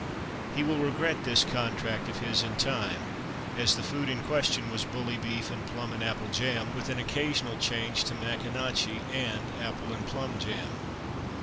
He will regret this contract of his in time, as the food in question was bully beef and plum and apple jam, with an occasional change to Maconochie and apple and plum jam.